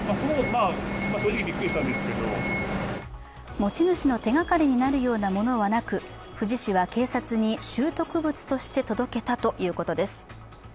持ち主の手がかりになるようなものはなく富士市は警察に拾得物として届けたということです。